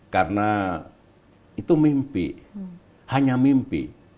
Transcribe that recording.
karena itu mimpi hanya mimpi